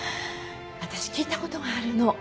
私聞いた事があるの。